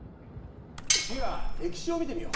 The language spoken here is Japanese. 次は歴史を見てみよう。